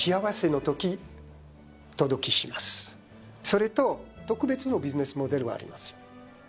それと特別のビジネスモデルがあります。